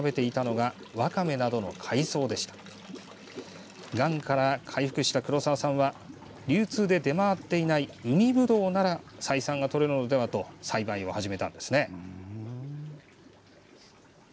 がんから回復した黒澤さんは流通で出回っていない海ぶどうなら採算がとれるのではと栽培を始めたんですね。